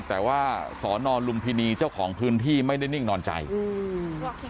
แต่ว่าสอนอลุมพินีเจ้าของพื้นที่ไม่ได้นิ่งนอนใจอืม